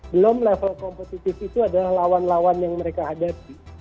belum level kompetitif itu adalah lawan lawan yang mereka hadapi